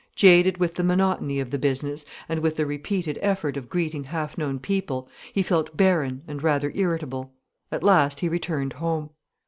Jaded with the monotony of the business, and with the repeated effort of greeting half known people, he felt barren and rather irritable. At last he returned home.